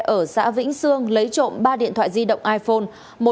ở xã vĩnh sương lấy trộm ba điện thoại di động iphone